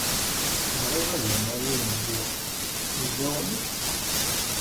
Bɣiɣ ad rnuɣ yiwen yiḍ. Yella wamek?